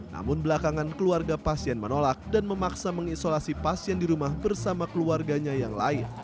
namun belakangan keluarga pasien menolak dan memaksa mengisolasi pasien di rumah bersama keluarganya yang lain